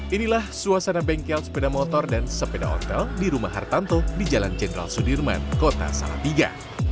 inilah suasana bengkel sepeda motor dan sepeda hotel di rumah hartanto di jalan jenderal sudirman kota salatiga